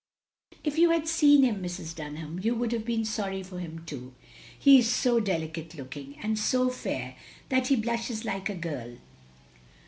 "If you had seen him, Mrs. Dunham, you would have been sorry for him too. He is so delicate looking; and so fair that he blushes like a girl.